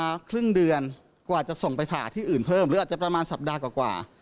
หรืออาจจะประมาณสัปดาห์กว่ากว่า